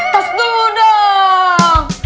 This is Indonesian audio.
tas dulu dong